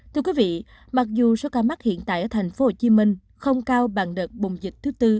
thưa quý vị mặc dù số ca mắc hiện tại ở tp hcm không cao bằng đợt bùng dịch thứ tư